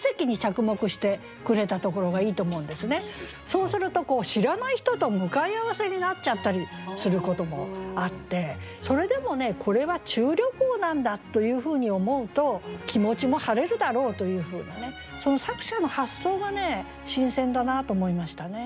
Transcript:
そうすると知らない人と向かい合わせになっちゃったりすることもあってそれでもこれは中旅行なんだというふうに思うと気持ちも晴れるだろうというふうなその作者の発想が新鮮だなと思いましたね。